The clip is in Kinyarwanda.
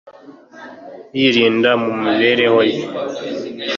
yirinda mu mibereho ye